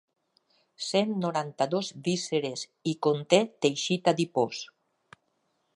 Cent noranta-dos vísceres i conté teixit adipós.